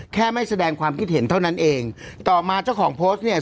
ไม่แสดงความคิดเห็นเท่านั้นเองต่อมาเจ้าของโพสต์เนี่ย